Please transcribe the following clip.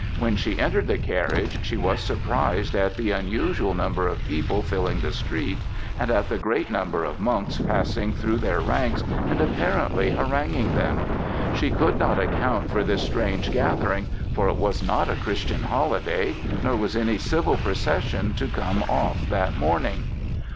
When she entered the carriage she was surprised at the unusual number of people filling the street, and at the great number of monks passing through their ranks and apparently haranguing them. She could not account for this strange gathering, for it was not a Christian holiday, nor was any civil procession to come off that morning.